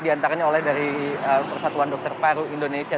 diantaranya oleh dari persatuan dokter paru indonesia